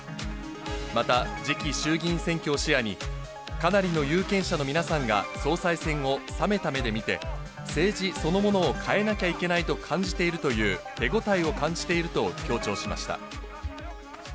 また、次期衆議院選挙を視野に、かなりの有権者の皆さんが総裁選を冷めた目で見て、政治そのものを変えなきゃいけないと感じているという手応えを感じていると強調しました。